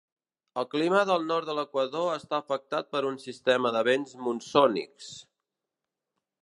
El clima al nord de l'equador està afectat per un sistema de vents monsònics.